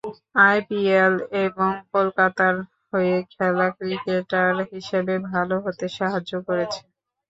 IPL এবং কলকাতার হয়ে খেলা ক্রিকেটার হিসেবে ভালো হতে সাহায্য করেছে।